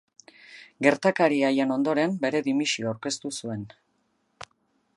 Gertakari haien ondoren, bere dimisioa aurkeztu zuen.